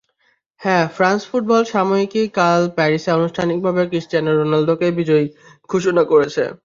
হ্যাঁ, France football সাময়িকী কাল প্যারিসে আনুষ্ঠানিকভাবে ক্রিস্টিয়ানো রোনালদোকেই বিজয়ী ঘোষণা করেছে।